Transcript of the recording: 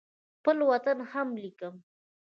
خپل وطن هم لیکم.